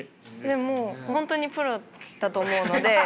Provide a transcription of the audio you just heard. でも本当にプロだと思うので。